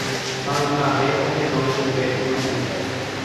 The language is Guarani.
maymave ohenói chupe Uruku